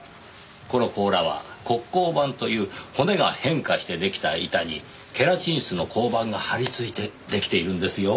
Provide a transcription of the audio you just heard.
この甲羅は骨甲板という骨が変化してできた板にケラチン質の甲板が張り付いてできているんですよ。